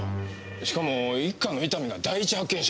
しかも一課の伊丹が第一発見者。